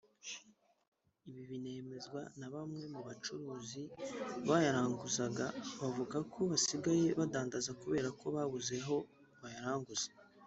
Ibi binemezwa na bamwe mu bacuruzi bayaranguzaga bavuga ko basigaye badandaza kubera ko babuze aho bayaranguza